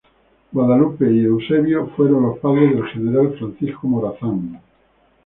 Guadalupe y Eusebio fueron los padres del general Francisco Morazán.